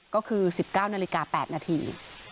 ก็คือสิบเก้านาฬิกาแปดนาที